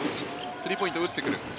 スリーポイント打ってくる。